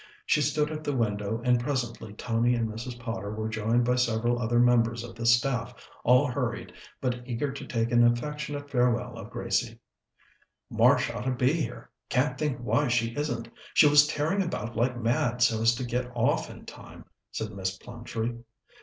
She stood at the window, and presently Tony and Mrs. Potter were joined by several other members of the staff, all hurried, but eager to take an affectionate farewell of Gracie. "Marsh ought to be here can't think why she isn't. She was tearing about like mad so as to get off in time," said Miss Plumtree.